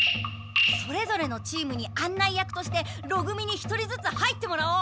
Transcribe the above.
それぞれのチームに案内役としてろ組に１人ずつ入ってもらおう。